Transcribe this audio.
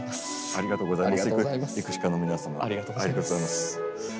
ありがとうございます。